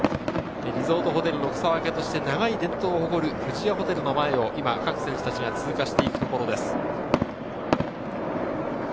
リゾートホテルの草分けとして長い伝統を誇る富士屋ホテルの前を各選手たちが通過していくところです。